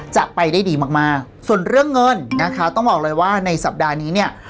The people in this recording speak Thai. จะไปได้ดีมากมากส่วนเรื่องเงินนะคะต้องบอกเลยว่าในสัปดาห์นี้เนี่ย